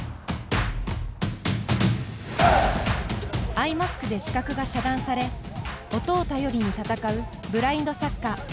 アイマスクで視覚が遮断され音を頼りに戦うブラインドサッカー。